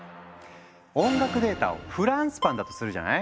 音楽データをフランスパンだとするじゃない？